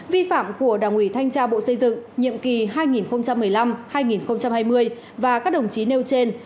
vi phạm của đảng ủy thanh tra bộ xây dựng nhiệm kỳ hai nghìn một mươi năm hai nghìn hai mươi và các đồng chí nêu trên